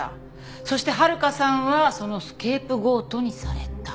そして温香さんはそのスケープゴートにされた。